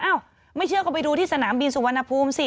เอ้าไม่เชื่อก็ไปดูที่สนามบินสุวรรณภูมิสิ